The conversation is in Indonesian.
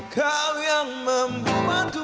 kau yang membuatku